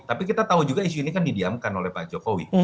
tapi kita tahu juga isu ini kan didiamkan oleh pak jokowi